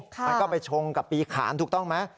มันก็ไปชงกับปีขานถูกต้องไหม